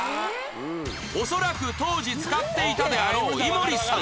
恐らく当時使っていたであろう井森さん